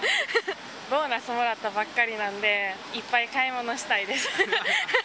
ボーナスもらったばっかりなんで、いっぱい買い物したいです。